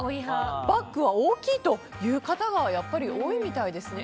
バッグは大きいという方がやっぱり多いみたいですね。